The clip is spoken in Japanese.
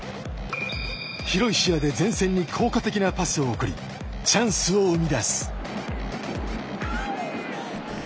広い視野で前線に効果的なパスを送りチャンスを生み出す。